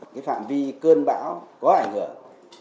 cái phạm vi cơn bão có ảnh hưởng